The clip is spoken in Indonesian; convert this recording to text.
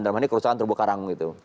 maksudnya kerusakan terbuka rangung gitu